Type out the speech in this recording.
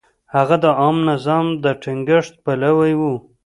هغه د عامه نظم د ټینګښت پلوی و.